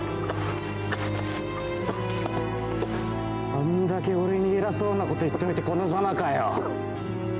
あんだけ俺に偉そうなこと言っといてこのざまかよ。